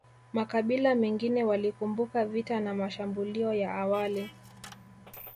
Makabila mengine walikumbuka vita na mashambulio ya awali